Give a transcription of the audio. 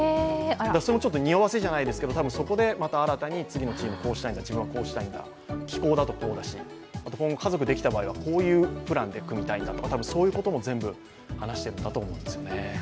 そのにおわせじゃないですけれども、そこで新たに、次のチーム、自分はこうしたいんだ、気候だとこうだし、家族ができたらこういうプランで組みたいんだというそういうことも全部話しているんだと思いますよね。